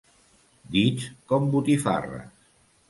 Dits com botifarres.